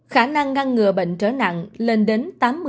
khả năng ngăn ngừa bệnh trở nặng lên đến tám mươi